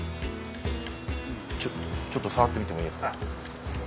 ちょっと触ってみてもいいですか？